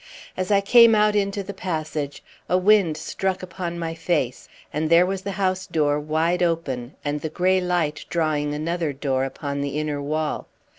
As I came out into the passage a wind struck upon my face, and there was the house door wide open, and the grey light drawing another door upon the inner wall.